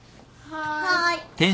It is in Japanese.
はい。